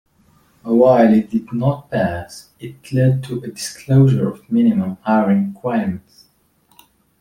While it did not pass, it led to a disclosure of minimum hiring requirements.